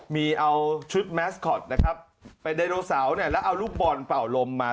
มีเอาชุดแมสคอตนะครับเป็นไดโนเสาร์เนี่ยแล้วเอาลูกบอลเป่าลมมา